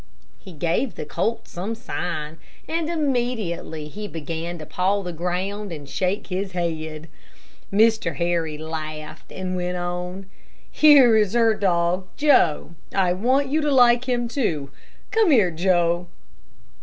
He gave the colt some sign, and immediately he began to paw the ground and shake his head. Mr. Harry laughed and went on: "Here is her dog Joe. I want you to like him, too. Come here, Joe."